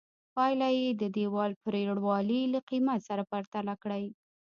پایله یې د دیوال پرېړوالي له قېمت سره پرتله کړئ.